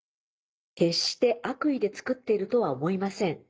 決して悪意で作っているとは思いません。